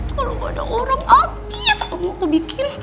kalau gak ada orang abis kamu tuh bikin